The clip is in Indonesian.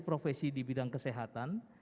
profesi di bidang kesehatan